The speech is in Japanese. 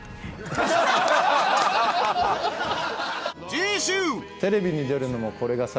次週！